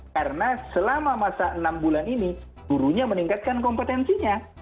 karena selama masa enam bulan ini gurunya meningkatkan kompetensinya